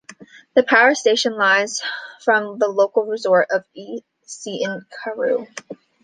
The power station lies from the local resort of Seaton Carew.